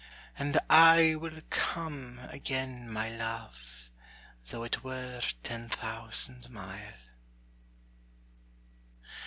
And I will come again, my Luve, Tho' it were ten thousand mile.